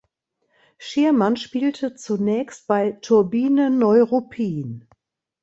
Schirmann spielte zunächst bei Turbine Neuruppin.